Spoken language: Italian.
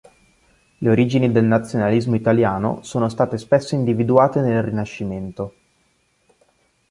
Le origini del nazionalismo italiano sono state spesso individuate nel Rinascimento.